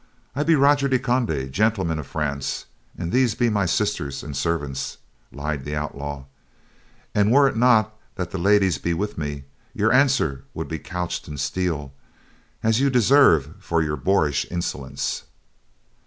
"I be Roger de Conde, gentleman of France, and these be my sisters and servants," lied the outlaw, "and were it not that the ladies be with me, your answer would be couched in steel, as you deserve for your boorish insolence."